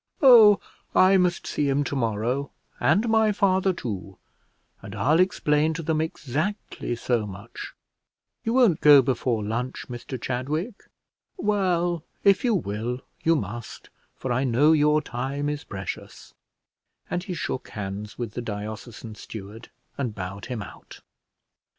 "Oh, I must see him to morrow, and my father too, and I'll explain to them exactly so much; you won't go before lunch, Mr Chadwick: well, if you will, you must, for I know your time is precious;" and he shook hands with the diocesan steward, and bowed him out.